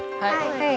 はい。